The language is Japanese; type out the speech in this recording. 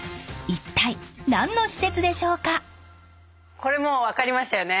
これもう分かりましたよね。